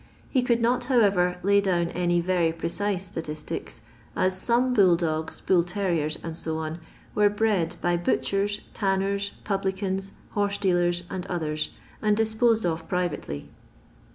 He could not, however, lay down any very precise statistics, as some bull dogs, bull terriers, &c., were bred by butchers, tanners, publicans, horseKlealers, and others, and disposed of privately.